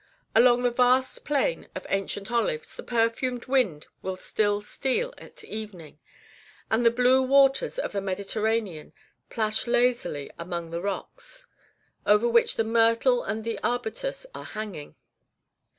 Along the vast plain of ancient olives the perfumed wind will still steal at evening, and the blue waters of the Mediterranean plash lazily among the rocks, over which the myrtle and the arbutus are hanging.